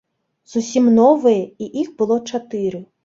Зусім новыя, і іх было чатыры.